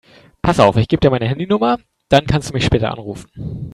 Pass auf, ich gebe dir meine Handynummer, dann kannst du mich später anrufen.